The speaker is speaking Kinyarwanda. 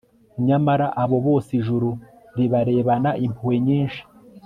Nyamara abo bose Ijuru ribarebana impuhwe nyinshi